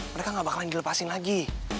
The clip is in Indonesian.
mereka gak bakalan dilepasin lagi